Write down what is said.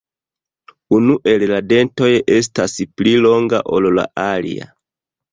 Unu el la dentoj estas pli longa ol la alia.